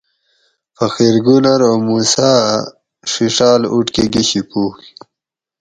فقیر گل ارو موسیٰ اۤ ڛِڛاۤل اوٹکۤہ گشی پوگ